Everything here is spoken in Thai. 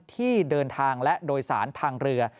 ที่เดินทางและโดยสารทางเรือ